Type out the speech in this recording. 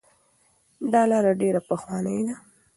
دا لاره ډیره پخوانۍ ده.